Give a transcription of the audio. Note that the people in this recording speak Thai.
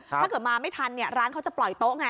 ถ้าเกิดมาไม่ทันเนี่ยร้านเขาจะปล่อยโต๊ะไง